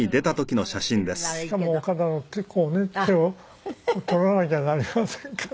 しかも岡田の手こうね手を取らなきゃなりませんから。